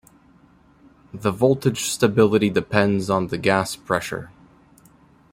The voltage stability depends on the gas pressure.